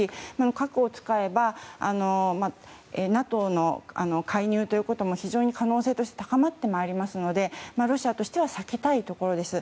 核を使えば、ＮＡＴＯの介入も非常に可能性として高まってまいりますのでロシアとしては避けたいところです。